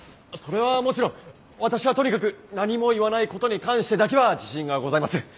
それはもちろん私はとにかく何も言わないことに関してだけは自信がございます！